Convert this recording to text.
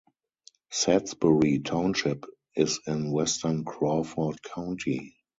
Sadsbury Township is in western Crawford County.